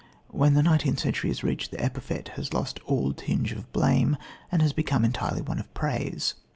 When the nineteenth century is reached the epithet has lost all tinge of blame, and has become entirely one of praise.